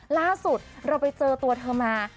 ล่าสุดเราไปเจอตัวเธอมา